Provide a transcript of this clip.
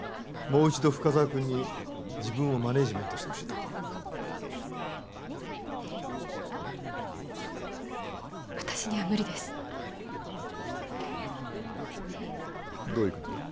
もう一度深沢君に自分をマネージメントしてほしいと私には無理ですどういうことだ？